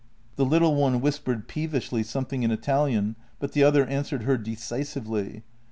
The little one whispered peevishly something in Italian, but the other answered her decisively.